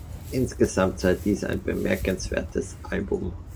Insgesamt sei dies ein bemerkenswertes Album.